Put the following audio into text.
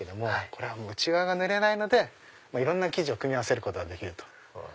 これは内側が濡れないので生地を組み合わせることができる。